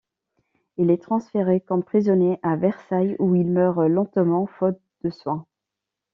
Il est transféré comme prisonnier à Versailles, où il meurt lentement faute de soins.